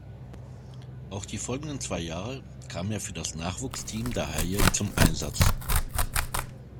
Auch die folgenden zwei Jahre kam er für das Nachwuchsteam der Haie zum Einsatz.